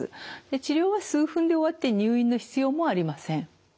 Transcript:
治療は数分で終わって入院の必要もありません。